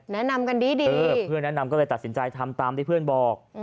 แนะนำกันดีเออเพื่อนแนะนำก็เลยตัดสินใจทำตามที่เพื่อนบอก